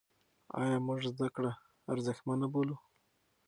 ایا موږ زده کړه ارزښتمنه بولو؟